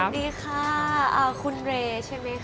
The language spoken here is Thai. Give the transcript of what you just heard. สวัสดีค่ะคุณเรย์ใช่ไหมคะ